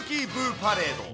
パレード。